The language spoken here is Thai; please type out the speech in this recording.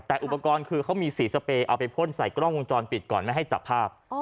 แต่อุปกรณ์คือเขามีสีสเปย์เอาไปพ่นใส่กล้องวงจรปิดก่อนไม่ให้จับภาพ